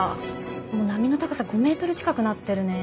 もう波の高さ５メートル近くなってるね。